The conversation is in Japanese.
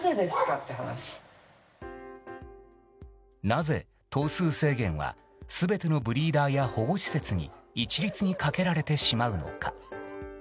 なぜ、頭数制限は全てのブリーダーや保護施設に一律にかけられてしまうのか。